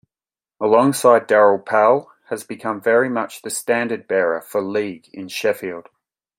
Alongside Daryl Powell, has become very much the standard bearer for League in Sheffield.